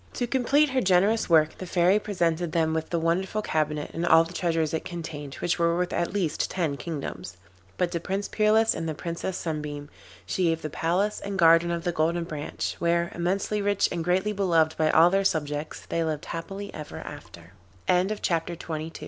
To complete her generous work the Fairy presented them with the wonderful cabinet and all the treasures it contained, which were worth at least ten kingdoms. But to Prince Peerless and the Princess Sunbeam she gave the palace and garden of the Golden Branch, where, immensely rich and greatly beloved by all their subjects, they lived happily ever after. Le Rameau d'Or.